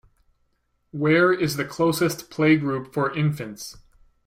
Where is the closest playgroup for infants?